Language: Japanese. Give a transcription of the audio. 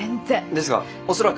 ですが恐らく。